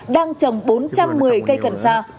đang trồng bốn trăm một mươi cây cần sa